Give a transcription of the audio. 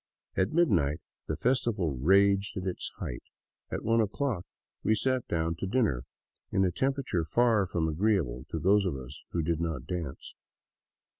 At mid night the festival raged at its height. At one o'clock we sat down to dinner in a temperature far from agreeable to those of us who did not dance.